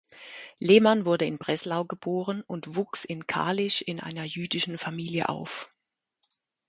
Lehman wurde in Breslau geboren und wuchs in Kalisz in einer jüdischen Familie auf.